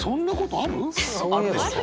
あるでしょ！